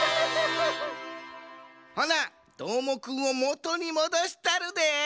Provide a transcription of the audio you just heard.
ほなどーもくんをもとにもどしたるで。